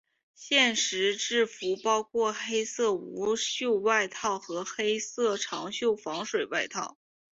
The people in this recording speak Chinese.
现时制服包括黑色无袖外套和黑色长袖防水外套。